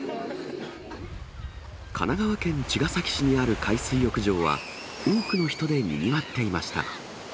神奈川県茅ヶ崎市にある海水浴場は、多くの人でにぎわっていました。